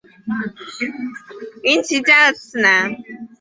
绫崎家的次男。